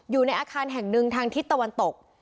อยู่ในอาคารแห่งหนึ่งทางทิศตะวันตก